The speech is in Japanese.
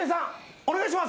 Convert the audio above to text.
お願いします。